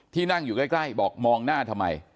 นั่งอยู่ใกล้บอกมองหน้าทำไม